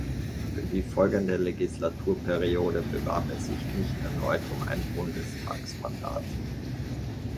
Für die folgende Legislaturperiode bewarb er sich nicht erneut um ein Bundestagsmandat.